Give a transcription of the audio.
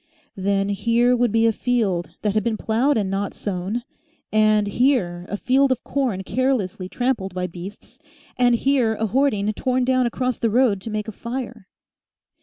Then here would be a field that had been ploughed and not sown, and here a field of corn carelessly trampled by beasts, and here a hoarding torn down across the road to make a fire.